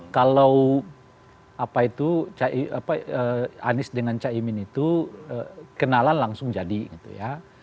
kalau apa itu anies dengan caimin itu kenalan langsung jadi gitu ya